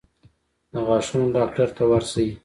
د غاښونو ډاکټر ته ورشئ